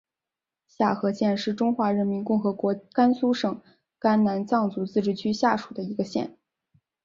夏河县是中华人民共和国甘肃省甘南藏族自治州下属的一个县。